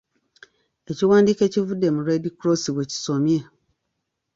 Ekiwandiiko ekivudde mu Red Cross bwe kisomye.